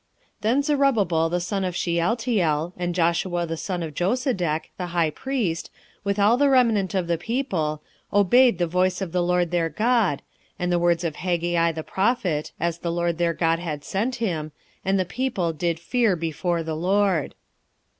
1:12 Then Zerubbabel the son of Shealtiel, and Joshua the son of Josedech, the high priest, with all the remnant of the people, obeyed the voice of the LORD their God, and the words of Haggai the prophet, as the LORD their God had sent him, and the people did fear before the LORD.